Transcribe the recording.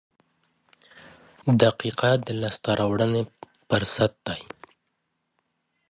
• دقیقه د لاسته راوړنې فرصت دی.